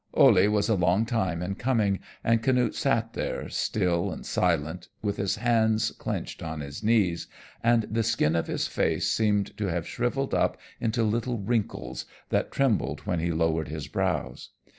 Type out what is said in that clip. Ole was a long time in coming, and Canute sat there, still and silent, with his hands clenched on his knees, and the skin of his face seemed to have shriveled up into little wrinkles that trembled when he lowered his brows.